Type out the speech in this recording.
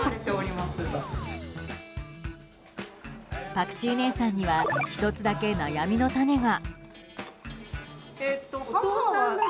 パクチー姉さんには１つだけ悩みの種が。